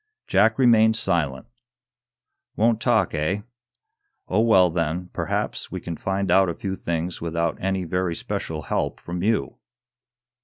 Jack remained silent. "Won't talk, eh? Oh, well, then, perhaps we can find out a few things without any very especial help from you."